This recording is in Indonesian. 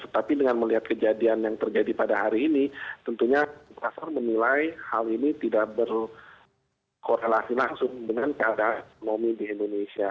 tapi dengan melihat kejadian yang terjadi pada hari ini tentunya pasar menilai hal ini tidak berkorelasi langsung dengan keadaan ekonomi di indonesia